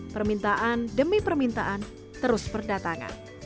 permintaan demi permintaan terus berdatangan